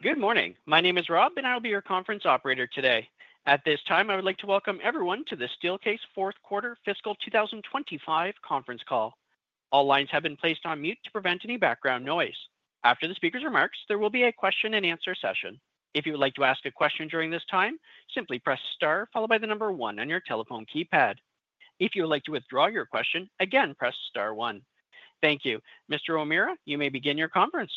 Good morning. My name is Rob, and I'll be your conference operator today. At this time, I would like to welcome everyone to the Steelcase Fourth Quarter Fiscal 2025 Conference Call. All lines have been placed on mute to prevent any background noise. After the speaker's remarks, there will be a question-and-answer session. If you would like to ask a question during this time, simply press star followed by the number one on your telephone keypad. If you would like to withdraw your question, again press star one. Thank you. Mr. O'Meara, you may begin your conference.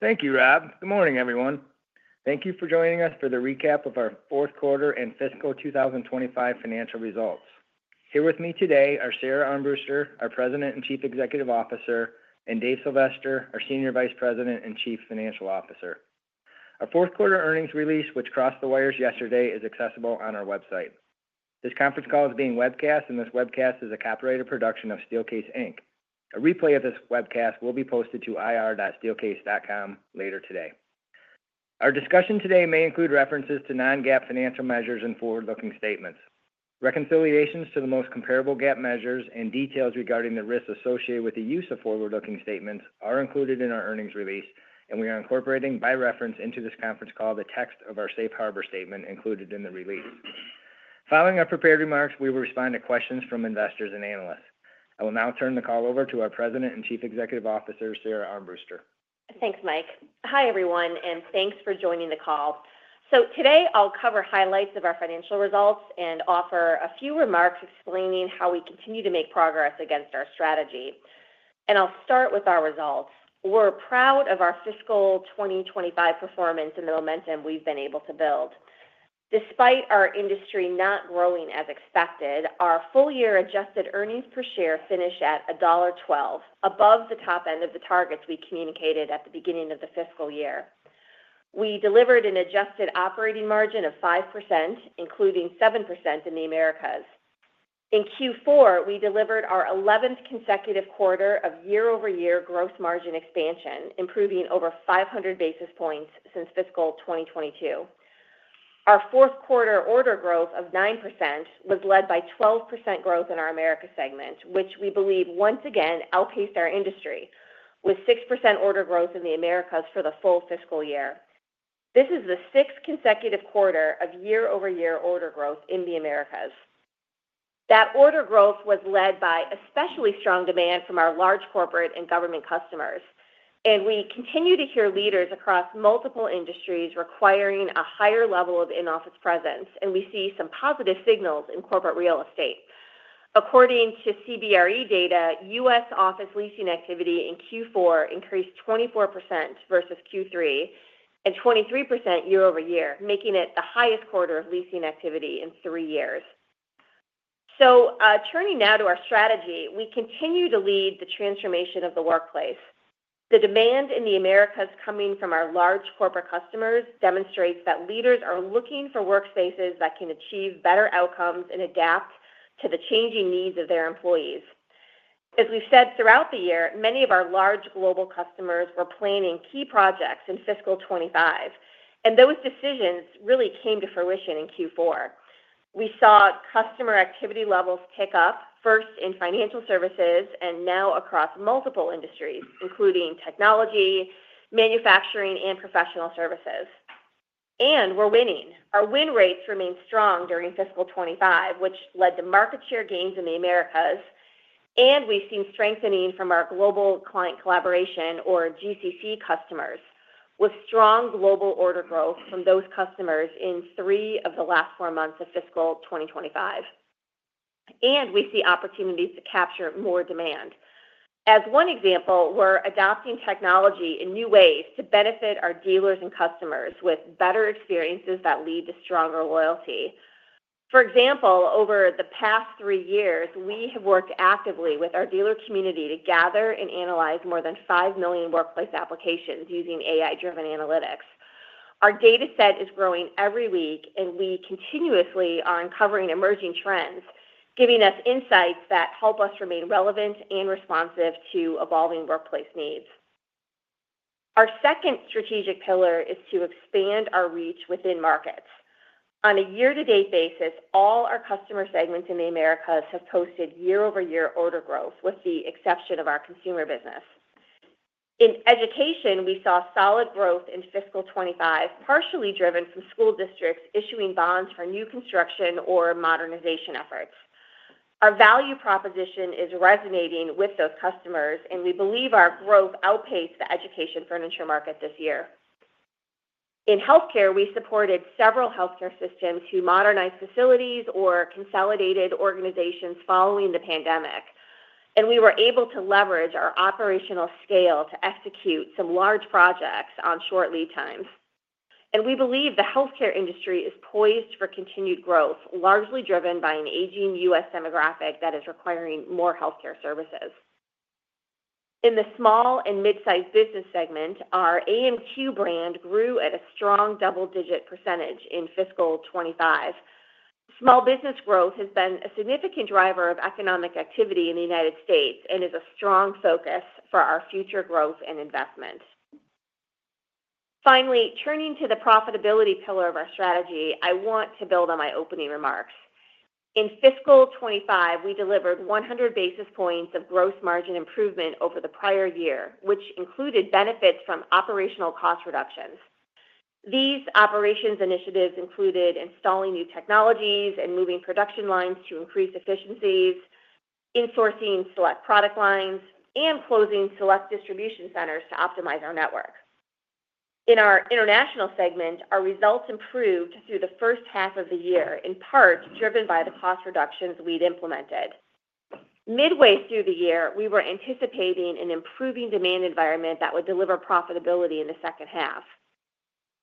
Thank you, Rob. Good morning, everyone. Thank you for joining us for the recap of our fourth quarter and fiscal 2025 financial results. Here with me today are Sara Armbruster, our President and Chief Executive Officer, and Dave Sylvester, our Senior Vice President and Chief Financial Officer. Our fourth quarter earnings release, which crossed the wires yesterday, is accessible on our website. This conference call is being webcast, and this webcast is a copyrighted production of Steelcase. A replay of this webcast will be posted to ir.steelcase.com later today. Our discussion today may include references to non-GAAP financial measures and forward-looking statements. Reconciliations to the most comparable GAAP measures and details regarding the risks associated with the use of forward-looking statements are included in our earnings release, and we are incorporating by reference into this conference call the text of our Safe Harbor statement included in the release. Following our prepared remarks, we will respond to questions from investors and analysts. I will now turn the call over to our President and Chief Executive Officer, Sara Armbruster. Thanks, Mike. Hi, everyone, and thanks for joining the call. Today I'll cover highlights of our financial results and offer a few remarks explaining how we continue to make progress against our strategy. I'll start with our results. We're proud of our fiscal 2025 performance and the momentum we've been able to build. Despite our industry not growing as expected, our full-year adjusted earnings per share finished at $1.12, above the top end of the targets we communicated at the beginning of the fiscal year. We delivered an adjusted operating margin of 5%, including 7% in the Americas. In Q4, we delivered our 11th consecutive quarter of year-over-year gross margin expansion, improving over 500 basis points since fiscal 2022. Our fourth quarter order growth of 9% was led by 12% growth in our Americas segment, which we believe once again outpaced our industry with 6% order growth in the Americas for the full fiscal year. This is the sixth consecutive quarter of year-over-year order growth in the Americas. That order growth was led by especially strong demand from our large corporate and government customers, and we continue to hear leaders across multiple industries requiring a higher level of in-office presence, and we see some positive signals in corporate real estate. According to CBRE data, U.S. office leasing activity in Q4 increased 24% versus Q3 and 23% year-over-year, making it the highest quarter of leasing activity in three years. Turning now to our strategy, we continue to lead the transformation of the workplace. The demand in the Americas coming from our large corporate customers demonstrates that leaders are looking for workspaces that can achieve better outcomes and adapt to the changing needs of their employees. As we have said throughout the year, many of our large global customers were planning key projects in fiscal 2025, and those decisions really came to fruition in Q4. We saw customer activity levels pick up, first in financial services and now across multiple industries, including technology, manufacturing, and professional services. We are winning. Our win rates remained strong during fiscal 2025, which led to market share gains in the Americas, and we have seen strengthening from our Global Client Collaboration, or GCC customers, with strong global order growth from those customers in three of the last four months of fiscal 2025. We see opportunities to capture more demand. As one example, we're adopting technology in new ways to benefit our dealers and customers with better experiences that lead to stronger loyalty. For example, over the past three years, we have worked actively with our dealer community to gather and analyze more than 5 million workplace applications using AI-driven analytics. Our dataset is growing every week, and we continuously are uncovering emerging trends, giving us insights that help us remain relevant and responsive to evolving workplace needs. Our second strategic pillar is to expand our reach within markets. On a year-to-date basis, all our customer segments in the Americas have posted year-over-year order growth, with the exception of our consumer business. In education, we saw solid growth in fiscal 2025, partially driven from school districts issuing bonds for new construction or modernization efforts. Our value proposition is resonating with those customers, and we believe our growth outpaced the education furniture market this year. In healthcare, we supported several healthcare systems who modernized facilities or consolidated organizations following the pandemic, and we were able to leverage our operational scale to execute some large projects on short lead times. We believe the healthcare industry is poised for continued growth, largely driven by an aging U.S. demographic that is requiring more healthcare services. In the small and mid-sized business segment, our AMQ brand grew at a strong double-digit % in fiscal 2025. Small business growth has been a significant driver of economic activity in the United States and is a strong focus for our future growth and investment. Finally, turning to the profitability pillar of our strategy, I want to build on my opening remarks. In fiscal 2025, we delivered 100 basis points of gross margin improvement over the prior year, which included benefits from operational cost reductions. These operations initiatives included installing new technologies and moving production lines to increase efficiencies, insourcing select product lines, and closing select distribution centers to optimize our network. In our International segment, our results improved through the first half of the year, in part driven by the cost reductions we'd implemented. Midway through the year, we were anticipating an improving demand environment that would deliver profitability in the second half.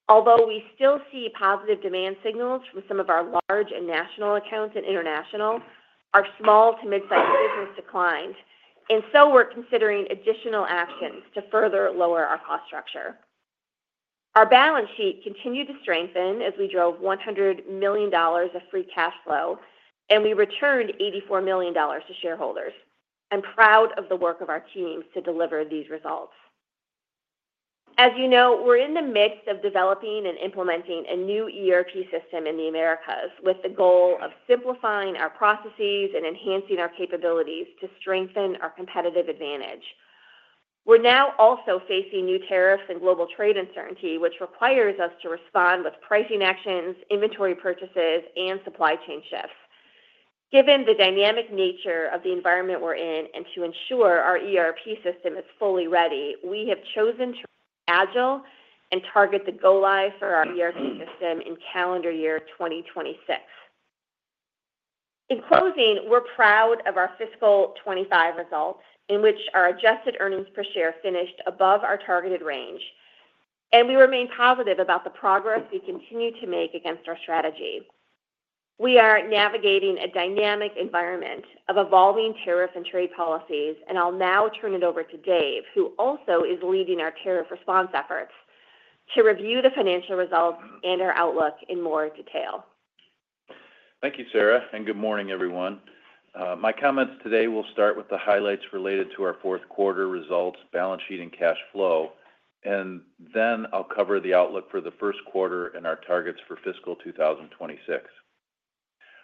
Although we still see positive demand signals from some of our large and national accounts and International, our small to mid-sized business declined, and so we're considering additional actions to further lower our cost structure. Our balance sheet continued to strengthen as we drove $100 million of free cash flow, and we returned $84 million to shareholders. I'm proud of the work of our teams to deliver these results. As you know, we're in the midst of developing and implementing a new ERP system in the Americas with the goal of simplifying our processes and enhancing our capabilities to strengthen our competitive advantage. We're now also facing new tariffs and global trade uncertainty, which requires us to respond with pricing actions, inventory purchases, and supply chain shifts. Given the dynamic nature of the environment we're in and to ensure our ERP system is fully ready, we have chosen to be agile and target the go-live for our ERP system in calendar year 2026. In closing, we're proud of our fiscal 2025 results, in which our adjusted earnings per share finished above our targeted range, and we remain positive about the progress we continue to make against our strategy. We are navigating a dynamic environment of evolving tariff and trade policies, and I'll now turn it over to Dave, who also is leading our tariff response efforts, to review the financial results and our outlook in more detail. Thank you, Sara, and good morning, everyone. My comments today will start with the highlights related to our fourth quarter results, balance sheet, and cash flow, and then I'll cover the outlook for the first quarter and our targets for fiscal 2026.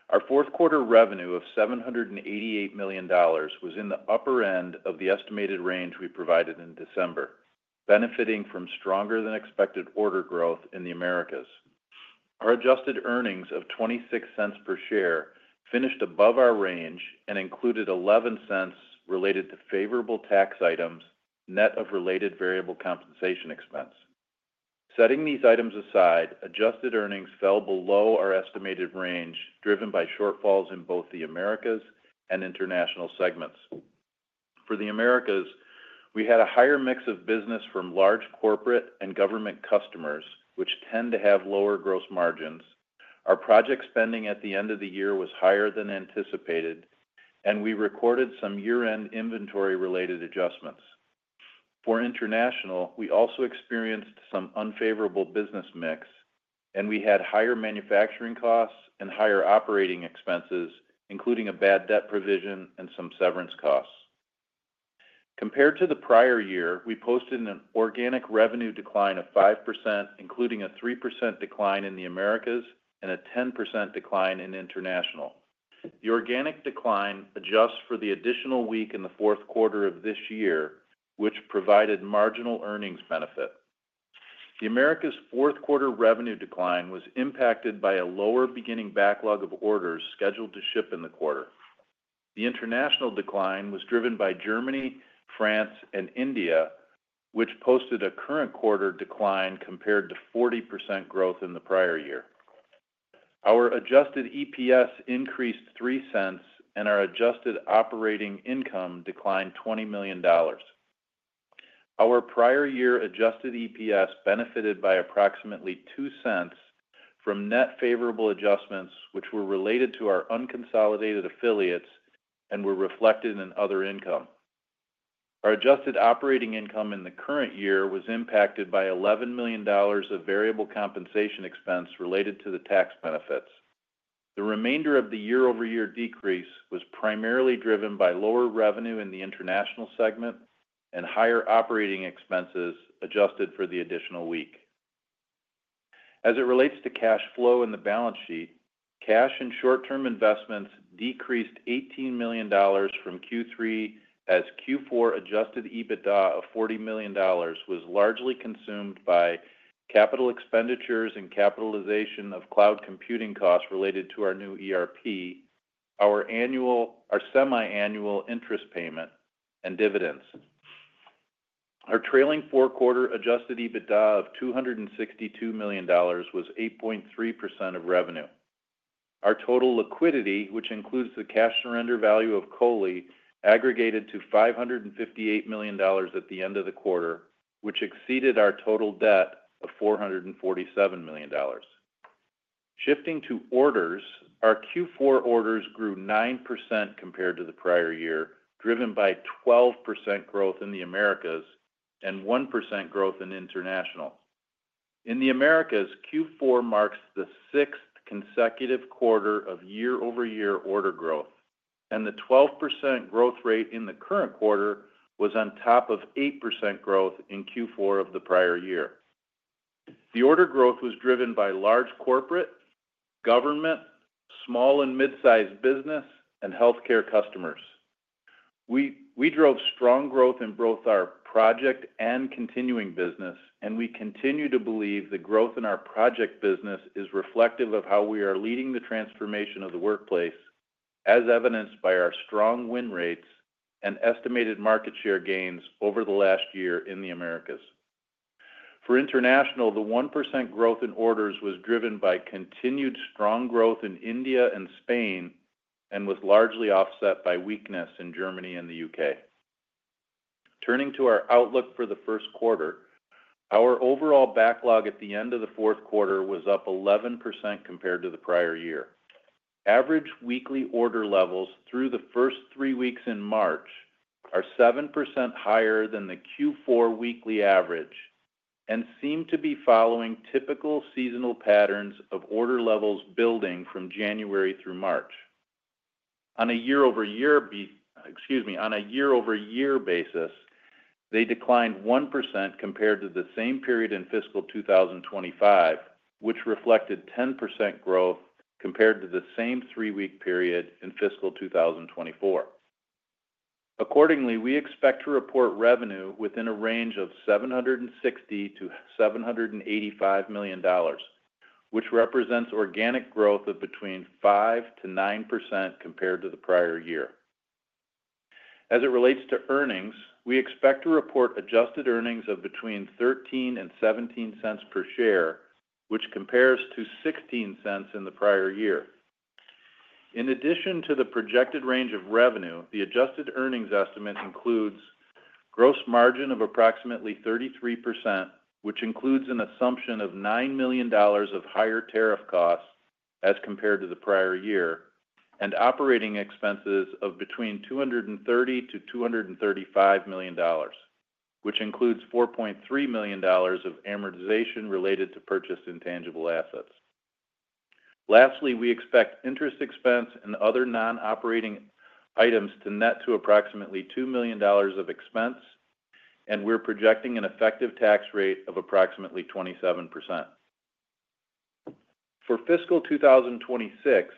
Our fourth quarter revenue of $788 million was in the upper end of the estimated range we provided in December, benefiting from stronger-than-expected order growth in the Americas. Our adjusted earnings of $0.26 per share finished above our range and included $0.11 related to favorable tax items, net of related variable compensation expense. Setting these items aside, adjusted earnings fell below our estimated range, driven by shortfalls in both the Americas and International segments. For the Americas, we had a higher mix of business from large corporate and government customers, which tend to have lower gross margins. Our project spending at the end of the year was higher than anticipated, and we recorded some year-end inventory-related adjustments. For International, we also experienced some unfavorable business mix, and we had higher manufacturing costs and higher operating expenses, including a bad debt provision and some severance costs. Compared to the prior year, we posted an organic revenue decline of 5%, including a 3% decline in the Americas and a 10% decline in International. The organic decline adjusts for the additional week in the fourth quarter of this year, which provided marginal earnings benefit. The Americas' fourth quarter revenue decline was impacted by a lower beginning backlog of orders scheduled to ship in the quarter. The International decline was driven by Germany, France, and India, which posted a current quarter decline compared to 40% growth in the prior year. Our adjusted EPS increased $0.03, and our adjusted operating income declined $20 million. Our prior year adjusted EPS benefited by approximately $0.02 from net favorable adjustments, which were related to our unconsolidated affiliates and were reflected in other income. Our adjusted operating income in the current year was impacted by $11 million of variable compensation expense related to the tax benefits. The remainder of the year-over-year decrease was primarily driven by lower revenue in the International segment and higher operating expenses adjusted for the additional week. As it relates to cash flow in the balance sheet, cash and short-term investments decreased $18 million from Q3 as Q4 adjusted EBITDA of $40 million was largely consumed by capital expenditures and capitalization of cloud computing costs related to our new ERP, our semi-annual interest payment, and dividends. Our trailing four-quarter adjusted EBITDA of $262 million was 8.3% of revenue. Our total liquidity, which includes the cash surrender value of COLI, aggregated to $558 million at the end of the quarter, which exceeded our total debt of $447 million. Shifting to orders, our Q4 orders grew 9% compared to the prior year, driven by 12% growth in the Americas and 1% growth in International. In the Americas, Q4 marks the sixth consecutive quarter of year-over-year order growth, and the 12% growth rate in the current quarter was on top of 8% growth in Q4 of the prior year. The order growth was driven by large corporate, government, small and mid-sized business, and healthcare customers. We drove strong growth in both our project and continuing business, and we continue to believe the growth in our project business is reflective of how we are leading the transformation of the workplace, as evidenced by our strong win rates and estimated market share gains over the last year in the Americas. For International, the 1% growth in orders was driven by continued strong growth in India and Spain and was largely offset by weakness in Germany and the U.K. Turning to our outlook for the first quarter, our overall backlog at the end of the fourth quarter was up 11% compared to the prior year. Average weekly order levels through the first three weeks in March are 7% higher than the Q4 weekly average and seem to be following typical seasonal patterns of order levels building from January through March. On a year-over-year basis, they declined 1% compared to the same period in fiscal 2025, which reflected 10% growth compared to the same three-week period in fiscal 2024. Accordingly, we expect to report revenue within a range of $760 million-$785 million, which represents organic growth of between 5%-9% compared to the prior year. As it relates to earnings, we expect to report adjusted earnings of between $0.13 and $0.17 per share, which compares to $0.16 in the prior year. In addition to the projected range of revenue, the adjusted earnings estimate includes gross margin of approximately 33%, which includes an assumption of $9 million of higher tariff costs as compared to the prior year, and operating expenses of between $230 million-$235 million, which includes $4.3 million of amortization related to purchased intangible assets. Lastly, we expect interest expense and other non-operating items to net to approximately $2 million of expense, and we're projecting an effective tax rate of approximately 27%. For fiscal 2026,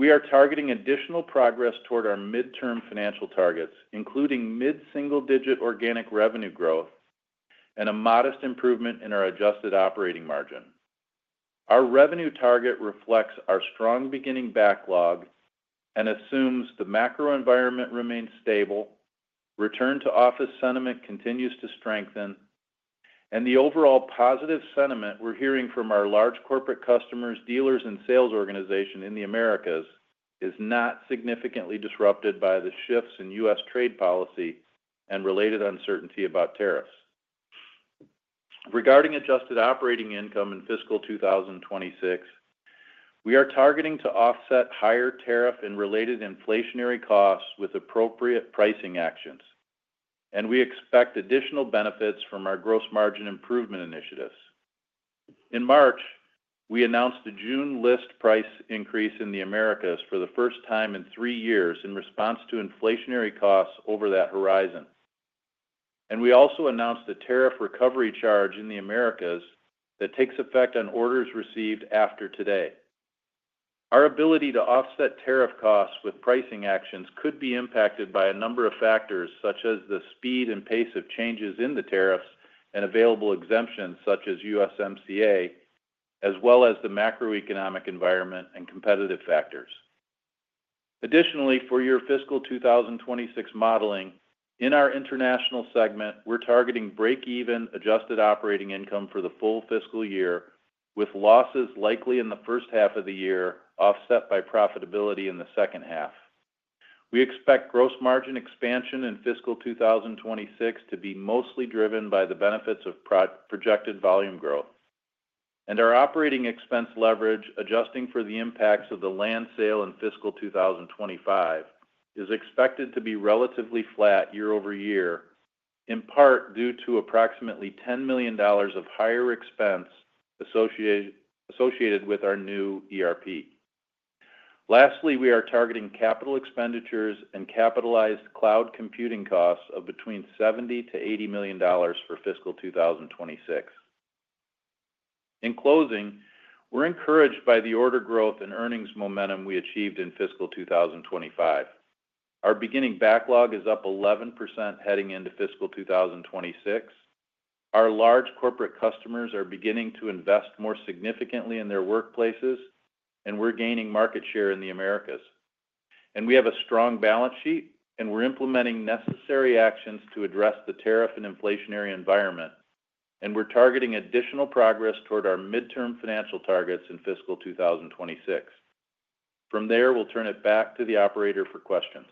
we are targeting additional progress toward our midterm financial targets, including mid-single-digit organic revenue growth and a modest improvement in our adjusted operating margin. Our revenue target reflects our strong beginning backlog and assumes the macro environment remains stable, return-to-office sentiment continues to strengthen, and the overall positive sentiment we're hearing from our large corporate customers, dealers, and sales organization in the Americas is not significantly disrupted by the shifts in U.S. trade policy and related uncertainty about tariffs. Regarding adjusted operating income in fiscal 2026, we are targeting to offset higher tariff and related inflationary costs with appropriate pricing actions, and we expect additional benefits from our gross margin improvement initiatives. In March, we announced the June list price increase in the Americas for the first time in three years in response to inflationary costs over that horizon, and we also announced the tariff recovery charge in the Americas that takes effect on orders received after today. Our ability to offset tariff costs with pricing actions could be impacted by a number of factors such as the speed and pace of changes in the tariffs and available exemptions such as USMCA, as well as the macroeconomic environment and competitive factors. Additionally, for your fiscal 2026 modeling, in our International segment, we're targeting break-even adjusted operating income for the full fiscal year, with losses likely in the first half of the year offset by profitability in the second half. We expect gross margin expansion in fiscal 2026 to be mostly driven by the benefits of projected volume growth, and our operating expense leverage, adjusting for the impacts of the land sale in fiscal 2025, is expected to be relatively flat year-over-year, in part due to approximately $10 million of higher expense associated with our new ERP. Lastly, we are targeting capital expenditures and capitalized cloud computing costs of between $70 million-$80 million for fiscal 2026. In closing, we're encouraged by the order growth and earnings momentum we achieved in fiscal 2025. Our beginning backlog is up 11% heading into fiscal 2026. Our large corporate customers are beginning to invest more significantly in their workplaces, and we're gaining market share in the Americas. We have a strong balance sheet, and we're implementing necessary actions to address the tariff and inflationary environment, and we're targeting additional progress toward our midterm financial targets in fiscal 2026. From there, we'll turn it back to the operator for questions.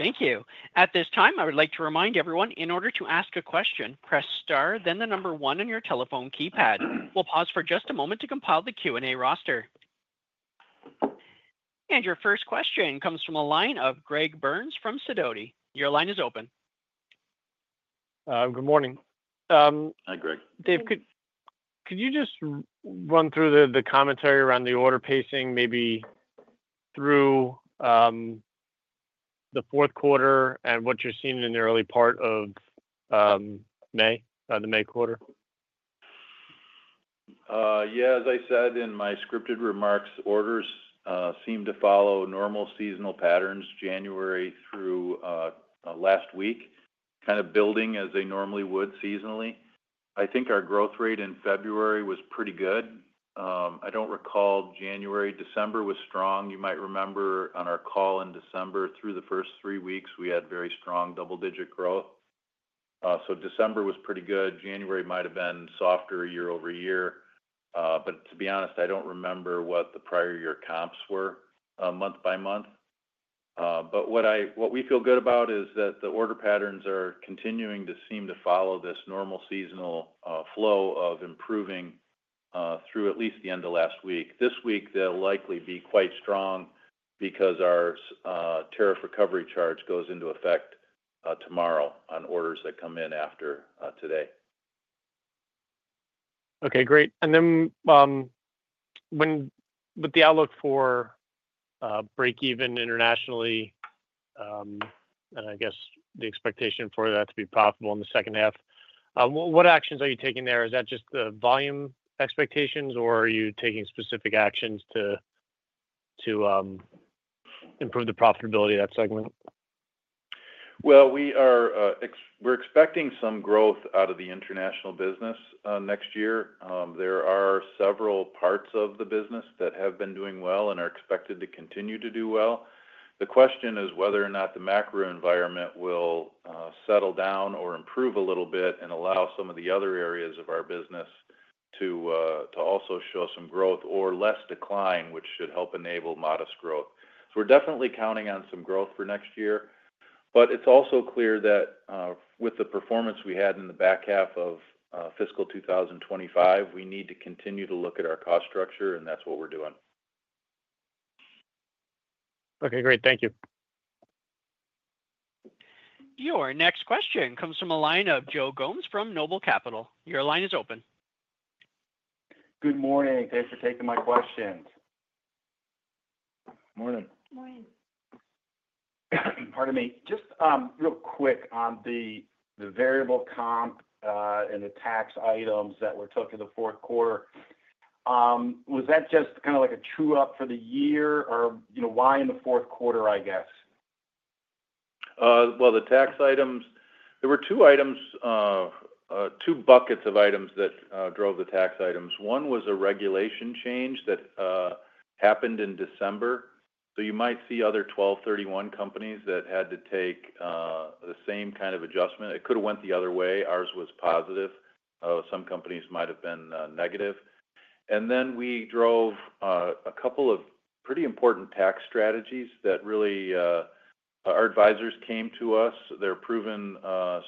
Thank you. At this time, I would like to remind everyone, in order to ask a question, press star, then the number one on your telephone keypad. We'll pause for just a moment to compile the Q&A roster. Your first question comes from a line of Greg Burns from Sidoti & Company. Your line is open. Good morning. Hi, Greg. Dave, could you just run through the commentary around the order pacing, maybe through the fourth quarter and what you're seeing in the early part of May, the May quarter? Yeah, as I said in my scripted remarks, orders seem to follow normal seasonal patterns January through last week, kind of building as they normally would seasonally. I think our growth rate in February was pretty good. I do not recall January. December was strong. You might remember on our call in December, through the first three weeks, we had very strong double-digit growth. December was pretty good. January might have been softer year-over-year, but to be honest, I do not remember what the prior year comps were month by month. What we feel good about is that the order patterns are continuing to seem to follow this normal seasonal flow of improving through at least the end of last week. This week, they will likely be quite strong because our tariff recovery charge goes into effect tomorrow on orders that come in after today. Okay, great. With the outlook for break-even internationally, and I guess the expectation for that to be possible in the second half, what actions are you taking there? Is that just the volume expectations, or are you taking specific actions to improve the profitability of that segment? We're expecting some growth out of the International business next year. There are several parts of the business that have been doing well and are expected to continue to do well. The question is whether or not the macro environment will settle down or improve a little bit and allow some of the other areas of our business to also show some growth or less decline, which should help enable modest growth. We're definitely counting on some growth for next year, but it's also clear that with the performance we had in the back half of fiscal 2025, we need to continue to look at our cost structure, and that's what we're doing. Okay, great. Thank you. Your next question comes from a line of Joe Gomes from Noble Capital Markets. Your line is open. Good morning. Thanks for taking my questions. Morning. Morning. Pardon me. Just real quick on the variable comp and the tax items that were took in the fourth quarter. Was that just kind of like a true-up for the year, or why in the fourth quarter, I guess? The tax items, there were two items, two buckets of items that drove the tax items. One was a regulation change that happened in December. You might see other 12/31 companies that had to take the same kind of adjustment. It could have went the other way. Ours was positive. Some companies might have been negative. We drove a couple of pretty important tax strategies that really our advisors came to us. They're proven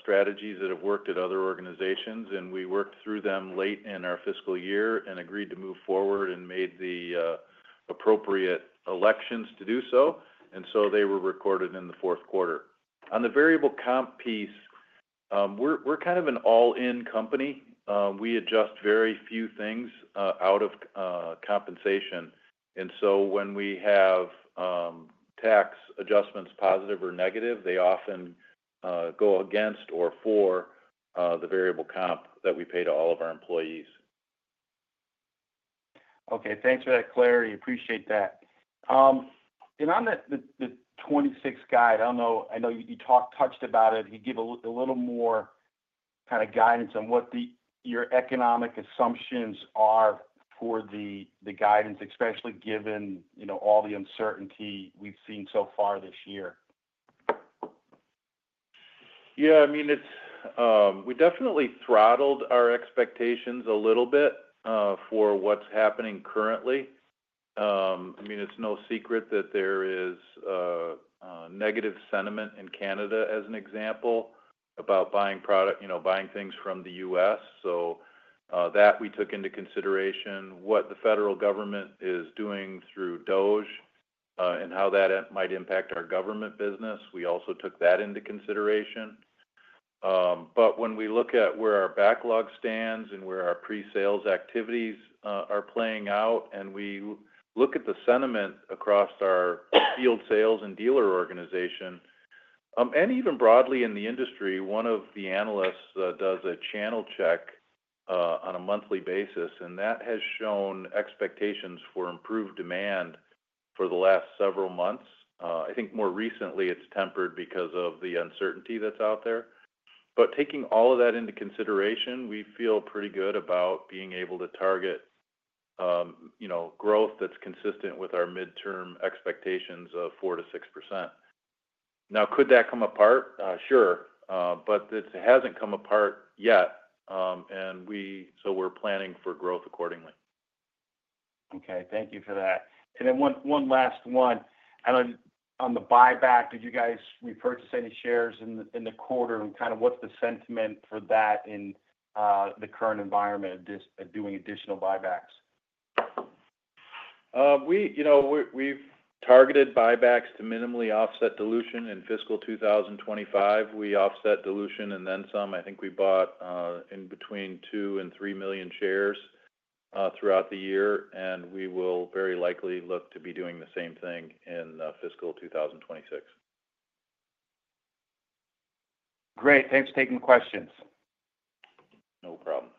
strategies that have worked at other organizations, and we worked through them late in our fiscal year and agreed to move forward and made the appropriate elections to do so. They were recorded in the fourth quarter. On the variable comp piece, we're kind of an all-in company. We adjust very few things out of compensation. When we have tax adjustments positive or negative, they often go against or for the variable comp that we pay to all of our employees. Okay. Thanks for that clarity. Appreciate that. On the 26th guide, I know you touched about it. You give a little more kind of guidance on what your economic assumptions are for the guidance, especially given all the uncertainty we've seen so far this year. Yeah. I mean, we definitely throttled our expectations a little bit for what's happening currently. I mean, it's no secret that there is negative sentiment in Canada, as an example, about buying things from the U.S. That we took into consideration. What the federal government is doing through DOGE and how that might impact our government business, we also took that into consideration. When we look at where our backlog stands and where our pre-sales activities are playing out, and we look at the sentiment across our field sales and dealer organization, and even broadly in the industry, one of the analysts does a channel check on a monthly basis, and that has shown expectations for improved demand for the last several months. I think more recently, it's tempered because of the uncertainty that's out there. Taking all of that into consideration, we feel pretty good about being able to target growth that's consistent with our midterm expectations of 4%-6%. Now, could that come apart? Sure. It hasn't come apart yet, and so we're planning for growth accordingly. Okay. Thank you for that. One last one. On the buyback, did you guys repurchase any shares in the quarter? What is the sentiment for that in the current environment of doing additional buybacks? We've targeted buybacks to minimally offset dilution. In fiscal 2025, we offset dilution and then some. I think we bought in between 2 and 3 million shares throughout the year, and we will very likely look to be doing the same thing in fiscal 2026. Great. Thanks for taking questions. No problem.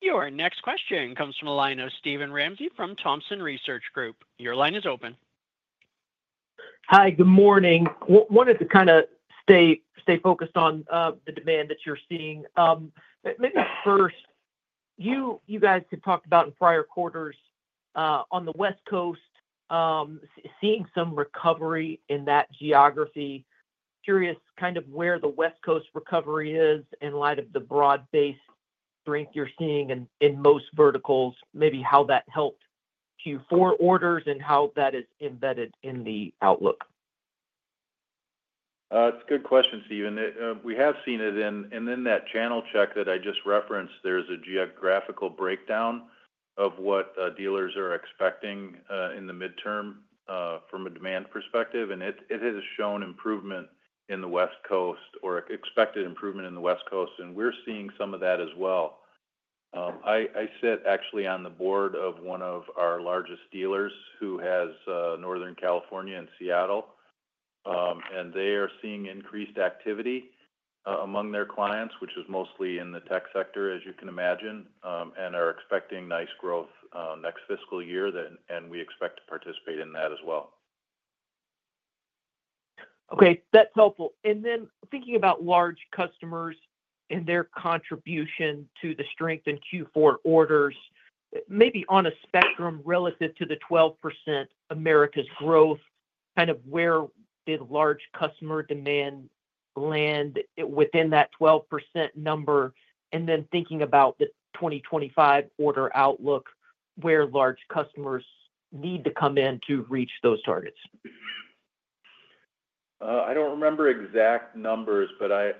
Your next question comes from a line of Steven Ramsey from Thompson Research Group. Your line is open. Hi. Good morning. Wanted to kind of stay focused on the demand that you're seeing. Maybe first, you guys had talked about in prior quarters on the West Coast seeing some recovery in that geography. Curious kind of where the West Coast recovery is in light of the broad-based strength you're seeing in most verticals, maybe how that helped Q4 orders and how that is embedded in the outlook. It's a good question, Steven. We have seen it. In that channel check that I just referenced, there's a geographical breakdown of what dealers are expecting in the midterm from a demand perspective. It has shown improvement in the West Coast or expected improvement in the West Coast. We're seeing some of that as well. I sit actually on the board of one of our largest dealers who has Northern California and Seattle, and they are seeing increased activity among their clients, which is mostly in the tech sector, as you can imagine, and are expecting nice growth next fiscal year. We expect to participate in that as well. Okay. That's helpful. Then thinking about large customers and their contribution to the strength in Q4 orders, maybe on a spectrum relative to the 12% Americas growth, kind of where did large customer demand land within that 12% number? Then thinking about the 2025 order outlook, where large customers need to come in to reach those targets? I don't remember exact numbers, but I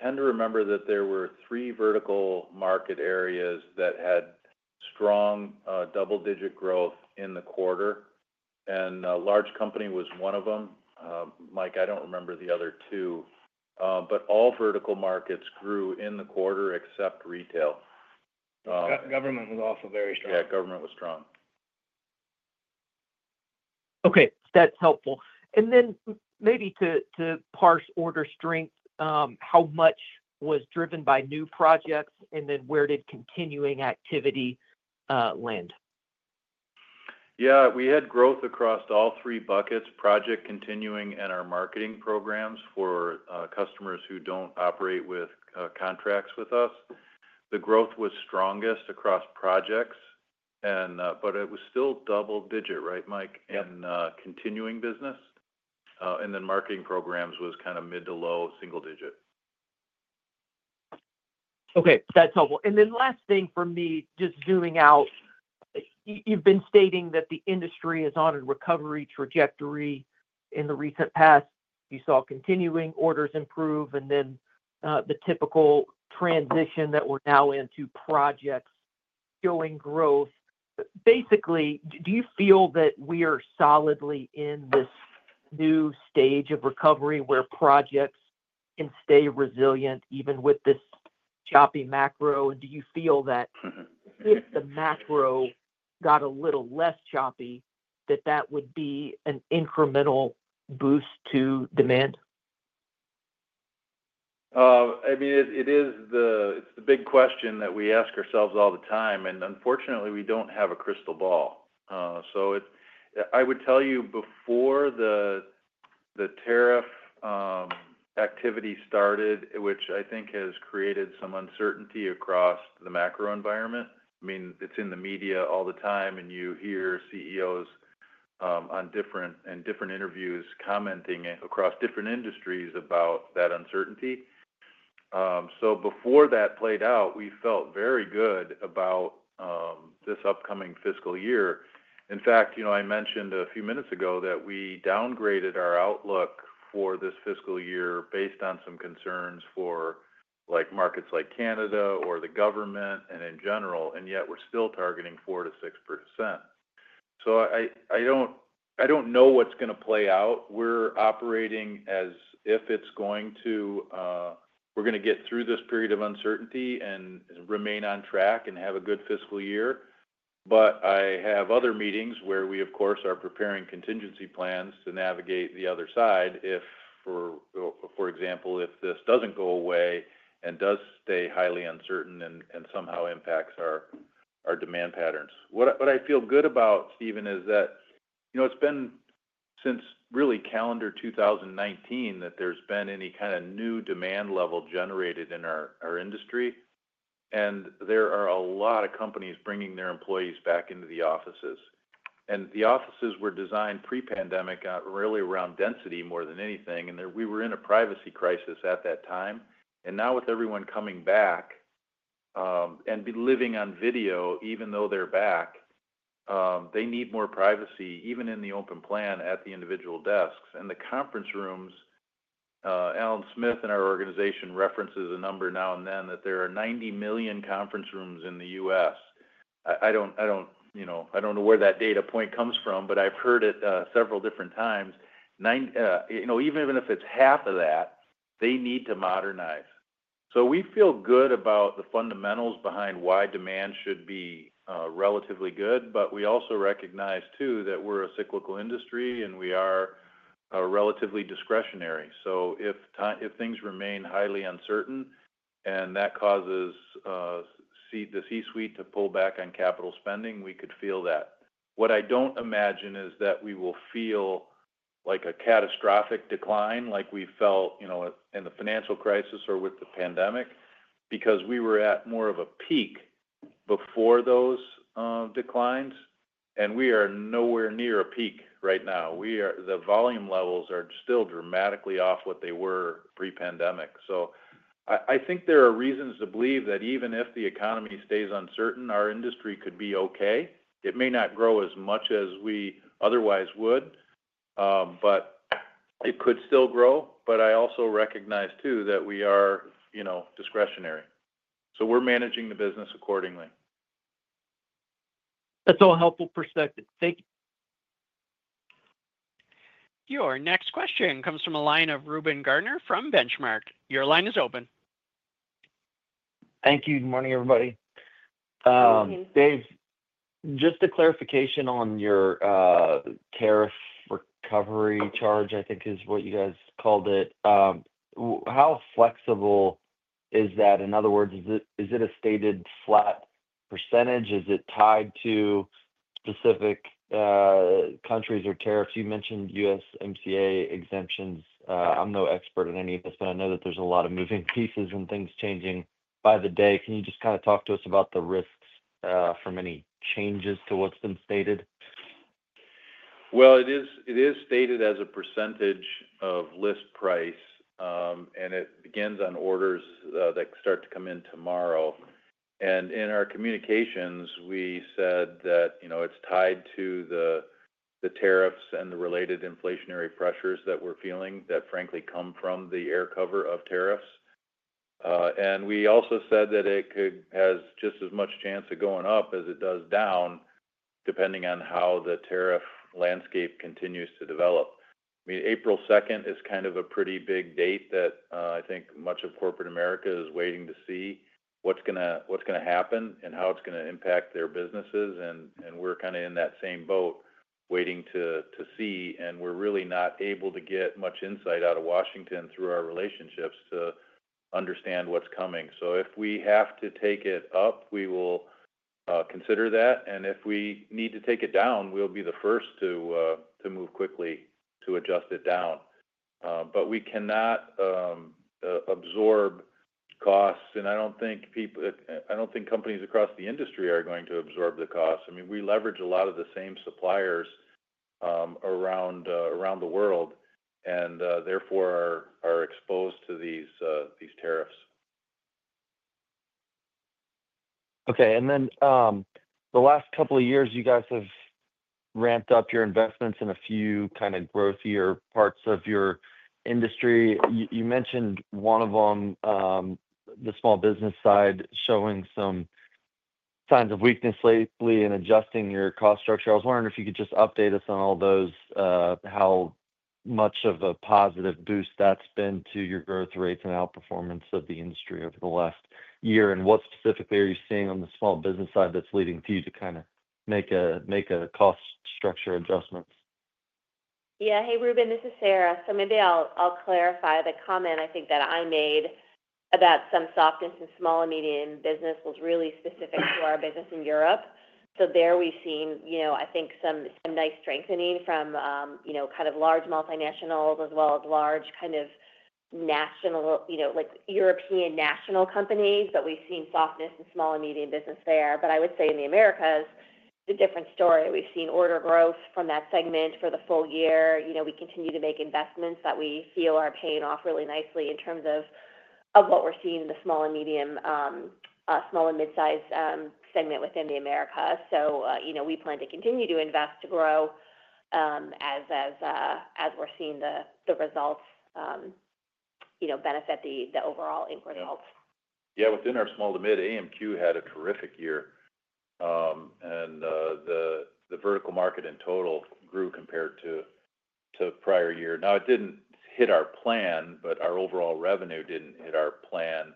tend to remember that there were three vertical market areas that had strong double-digit growth in the quarter, and large company was one of them. Mike, I don't remember the other two, but all vertical markets grew in the quarter except retail. Government was also very strong. Yeah, government was strong. Okay. That's helpful. Maybe to parse order strength, how much was driven by new projects, and then where did continuing activity land? Yeah. We had growth across all three buckets: project, continuing, and our marketing programs for customers who do not operate with contracts with us. The growth was strongest across projects, but it was still double-digit, right, Mike, in continuing business. Marketing programs was kind of mid to low, single digit. Okay. That's helpful. Last thing for me, just zooming out, you've been stating that the industry is on a recovery trajectory. In the recent past, you saw continuing orders improve, and then the typical transition that we're now into projects showing growth. Basically, do you feel that we are solidly in this new stage of recovery where projects can stay resilient even with this choppy macro? Do you feel that if the macro got a little less choppy, that that would be an incremental boost to demand? I mean, it's the big question that we ask ourselves all the time. Unfortunately, we don't have a crystal ball. I would tell you before the tariff activity started, which I think has created some uncertainty across the macro environment. I mean, it's in the media all the time, and you hear CEOs in different interviews commenting across different industries about that uncertainty. Before that played out, we felt very good about this upcoming fiscal year. In fact, I mentioned a few minutes ago that we downgraded our outlook for this fiscal year based on some concerns for markets like Canada or the government and in general, and yet we're still targeting 4%-6%. I don't know what's going to play out. We're operating as if it's going to—we're going to get through this period of uncertainty and remain on track and have a good fiscal year. I have other meetings where we, of course, are preparing contingency plans to navigate the other side, for example, if this doesn't go away and does stay highly uncertain and somehow impacts our demand patterns. What I feel good about, Steven, is that it's been since really calendar 2019 that there's been any kind of new demand level generated in our industry. There are a lot of companies bringing their employees back into the offices. The offices were designed pre-pandemic really around density more than anything. We were in a privacy crisis at that time. Now with everyone coming back and living on video, even though they're back, they need more privacy, even in the open plan at the individual desks. The conference rooms, Allan Smith in our organization references a number now and then that there are 90 million conference rooms in the U.S. I don't know where that data point comes from, but I've heard it several different times. Even if it's half of that, they need to modernize. We feel good about the fundamentals behind why demand should be relatively good. We also recognize, too, that we're a cyclical industry, and we are relatively discretionary. If things remain highly uncertain and that causes the C-suite to pull back on capital spending, we could feel that. What I don't imagine is that we will feel like a catastrophic decline like we felt in the financial crisis or with the pandemic because we were at more of a peak before those declines. We are nowhere near a peak right now. The volume levels are still dramatically off what they were pre-pandemic. I think there are reasons to believe that even if the economy stays uncertain, our industry could be okay. It may not grow as much as we otherwise would, but it could still grow. I also recognize, too, that we are discretionary. We are managing the business accordingly. That's all helpful perspective. Thank you. Your next question comes from a line of Reuben Garner from Benchmark. Your line is open. Thank you. Good morning, everybody. Dave, just a clarification on your tariff recovery charge, I think is what you guys called it. How flexible is that? In other words, is it a stated flat percentage? Is it tied to specific countries or tariffs? You mentioned USMCA exemptions. I'm no expert in any of this, but I know that there's a lot of moving pieces and things changing by the day. Can you just kind of talk to us about the risks from any changes to what's been stated? It is stated as a percentage of list price, and it begins on orders that start to come in tomorrow. In our communications, we said that it's tied to the tariffs and the related inflationary pressures that we're feeling that, frankly, come from the air cover of tariffs. We also said that it has just as much chance of going up as it does down, depending on how the tariff landscape continues to develop. I mean, April 2nd is kind of a pretty big date that I think much of corporate America is waiting to see what's going to happen and how it's going to impact their businesses. We're kind of in that same boat waiting to see. We're really not able to get much insight out of Washington through our relationships to understand what's coming. If we have to take it up, we will consider that. If we need to take it down, we'll be the first to move quickly to adjust it down. We cannot absorb costs. I don't think companies across the industry are going to absorb the costs. I mean, we leverage a lot of the same suppliers around the world and therefore are exposed to these tariffs. Okay. The last couple of years, you guys have ramped up your investments in a few kind of growthier parts of your industry. You mentioned one of them, the small business side, showing some signs of weakness lately in adjusting your cost structure. I was wondering if you could just update us on all those, how much of a positive boost that's been to your growth rates and outperformance of the industry over the last year. What specifically are you seeing on the small business side that's leading to you to kind of make a cost structure adjustment? Yeah. Hey, Reuben, this is Sara. Maybe I'll clarify the comment I think that I made about some softness in small and medium business was really specific to our business in Europe. There we've seen, I think, some nice strengthening from kind of large multinationals as well as large kind of national, like European national companies. We've seen softness in small and medium business there. I would say in the Americas, it's a different story. We've seen order growth from that segment for the full year. We continue to make investments that we feel are paying off really nicely in terms of what we're seeing in the small and medium, small and mid-size segment within the Americas. We plan to continue to invest to grow as we're seeing the results benefit the overall company results. Yeah. Within our small to mid, AMQ had a terrific year. The vertical market in total grew compared to prior year. It did not hit our plan, but our overall revenue did not hit our plan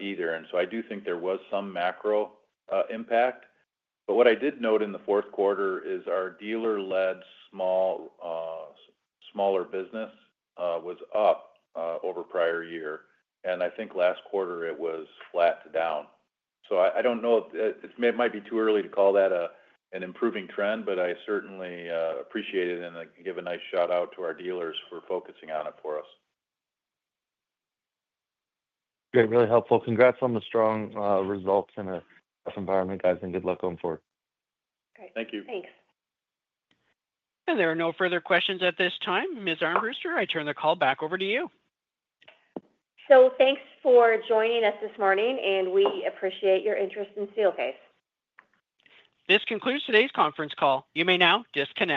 either. I do think there was some macro impact. What I did note in the fourth quarter is our dealer-led smaller business was up over prior year. I think last quarter, it was flat to down. I do not know. It might be too early to call that an improving trend, but I certainly appreciate it and give a nice shout-out to our dealers for focusing on it for us. Okay. Really helpful. Congrats on the strong results in a tough environment, guys. Good luck going forward. Great. Thank you. Thanks. There are no further questions at this time. Ms. Armbruster, I turn the call back over to you. Thanks for joining us this morning, and we appreciate your interest in Steelcase. This concludes today's conference call. You may now disconnect.